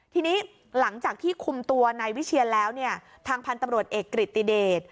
ทีนี้หลังจากที่คุมตัวนายวิเชียนแล้วเนี่ยทางพันธุ์ตำรวจเอกกฤติเดช